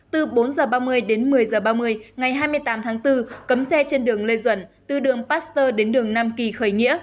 từ bốn h ba mươi đến một mươi h ba mươi ngày hai mươi tám tháng bốn cấm xe trên đường lê duẩn từ đường pasteur đến đường nam kỳ khởi nghĩa